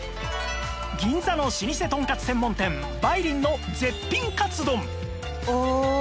銀座の老舗とんかつ専門店梅林の絶品カツ丼